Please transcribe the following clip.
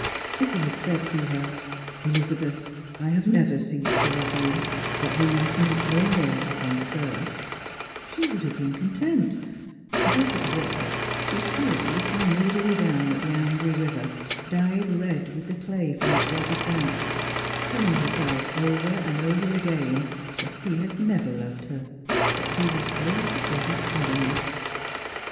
If he had said to her, " Elizabeth, I have never ceased to love you — we must meet no more upon this earth "— she would have been content ; but, as it was, she stood looking moodily down at the angry river, dyed red with the clay from its rugged banks, telling herself over and over again that he had never loved her, that he was altogether adamant.